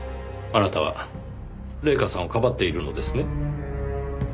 あなたは礼夏さんをかばっているのですね？